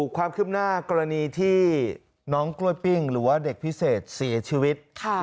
ความคืบหน้ากรณีที่น้องกล้วยปิ้งหรือว่าเด็กพิเศษเสียชีวิต